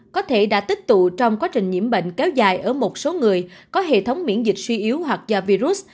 có thể đã tích tụ trong quá trình nhiễm bệnh kéo dài ở một số người có hệ thống miễn dịch suy yếu hoặc do virus